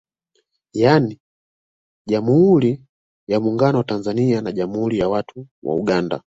Yani Jammhuri ya Muungano wa Tanzania na Jammhuri ya watu wa Uganda